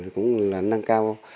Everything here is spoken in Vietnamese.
cũng là năng cao